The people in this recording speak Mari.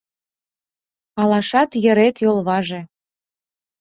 Алашат йырет йолваже